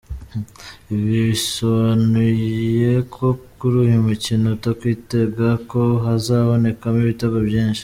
Ibi bisobanuye ko kuri uyu mukino utakwitega ko hazabonekamo ibitego byinshi.